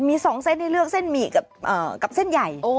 มี๒เส้นให้เลือกเส้นหมี่กับเส้นใหญ่